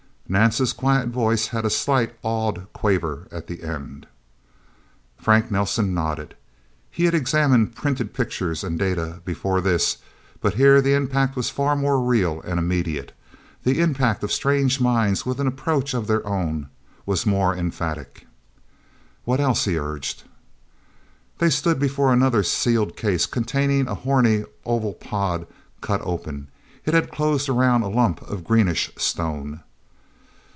Nance's quiet voice had a slight, awed quaver at the end. Frank Nelsen nodded. He had examined printed pictures and data before this. But here the impact was far more real and immediate; the impact of strange minds with an approach of their own was more emphatic. "What else?" he urged. They stood before another sealed case containing a horny, oval pod, cut open. It had closed around a lump of greenish stone.